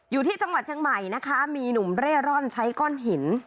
อยู่ที่จังหวัดธรรมายนะคะมีหนุ่มเร่อร้อนใช้ก้อนหิน